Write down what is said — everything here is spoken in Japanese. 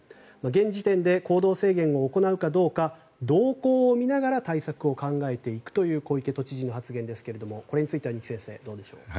現時点で行動制限を行うかどうか動向を見ながら対策を考えていくという小池都知事の発言ですがこれについては二木先生どうでしょう。